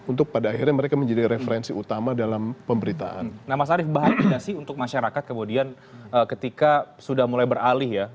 nah mas arief bahagiannya sih untuk masyarakat kemudian ketika sudah mulai beralih ya